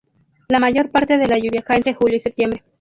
La mayor parte de la lluvia cae entre julio y septiembre.